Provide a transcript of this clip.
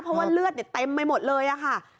เพราะว่าเลือดเต็มไปหมดเลยค่ะ